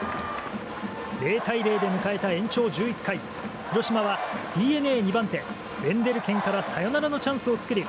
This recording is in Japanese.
０対０で迎えた延長１１回広島はＤｅＮＡ２番手ウェンデルケンからサヨナラのチャンスを作り